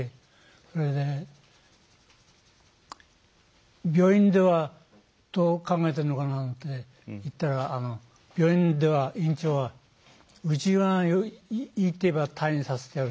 それで病院ではどう考えてんのかなっていったら病院では院長はうちはいいって言えば退院させてやるっていうんですね。